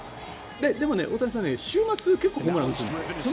でも大谷さん週末に結構ホームランを打つんです。